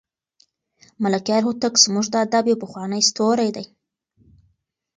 ملکیار هوتک زموږ د ادب یو پخوانی ستوری دی.